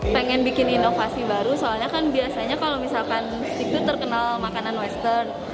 pengen bikin inovasi baru soalnya kan biasanya kalau misalkan stik itu terkenal makanan western